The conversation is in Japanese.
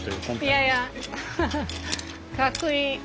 いやいやアハハかっこいい。